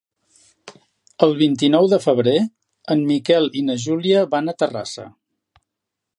El vint-i-nou de febrer en Miquel i na Júlia van a Terrassa.